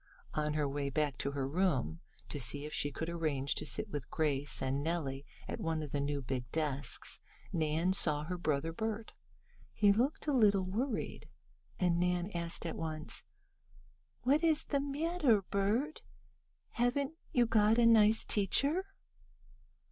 On her way back to her room, to see if she could arrange to sit with Grace and Nellie at one of the new big desks, Nan saw her brother Bert. He looked a little worried, and Nan asked at once: "What is the matter, Bert? Haven't you got a nice teacher?"